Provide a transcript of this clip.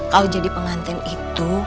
kalo jadi pengantin itu